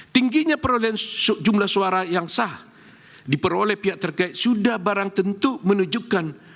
tingginya perolehan jumlah suara yang sah diperoleh pihak terkait sudah barang tentu menunjukkan